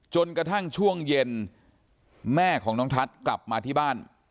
จนกระทั่งช่วงเย็นแม่ของน้องทัศน์กลับมาที่บ้าน